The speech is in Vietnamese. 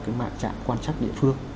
cái mạng trạm quan trắc địa phương